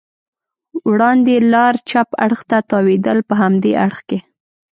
وړاندې لار چپ اړخ ته تاوېدل، په همدې اړخ کې.